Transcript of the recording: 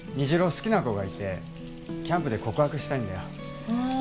好きな子がいてキャンプで告白したいんだよああ